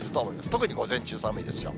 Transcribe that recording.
特に午前中、寒いでしょう。